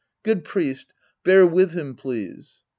Good priest. Bear with him, please.